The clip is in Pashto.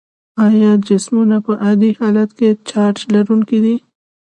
آیا جسمونه په عادي حالت کې چارج لرونکي دي؟